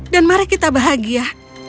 dan mari kita bahagia